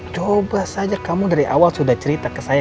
coba saja kamu dari awal sudah cerita ke saya